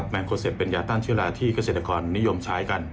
แมงโคเซฟเป็นยาต้านเชื้อราที่เกษตรกรนิยมใช้กัน